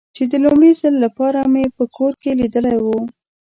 چې د لومړي ځل له پاره مې په کور کې لیدلی و.